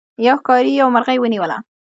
یو ښکاري یو مرغۍ ونیوله.